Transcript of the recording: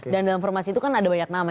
dan dalam formasi itu kan ada banyak nama